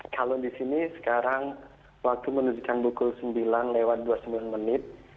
kalau di sini sekarang waktu menunjukkan pukul sembilan lewat dua puluh sembilan menit